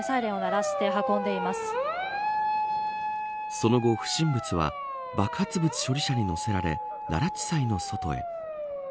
その後、不審物は爆発物処理車に載せられ奈良地裁の外へ。